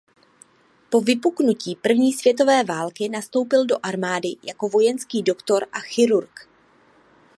Po vypuknutí první světové války nastoupil do armády jako vojenský doktor a chirurg.